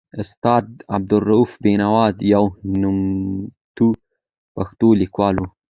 استاد عبدالروف بینوا یو نوموتی پښتون لیکوال و.